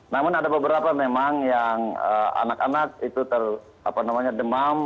namun ada beberapa memang yang anak anak itu demam